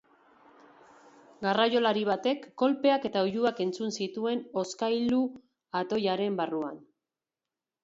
Garraiolari batek kolpeak eta oihuak entzun zituen hozkailu-atoiaren barruan.